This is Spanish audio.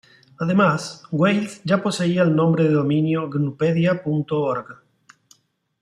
Además, Wales ya poseía el nombre de dominio gnupedia.org.